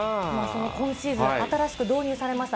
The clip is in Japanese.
今シーズン、新しく導入されました